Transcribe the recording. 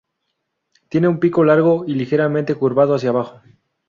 Tiene un pico largo y ligeramente curvado hacia abajo.